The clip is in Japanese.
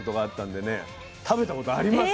食べたことあります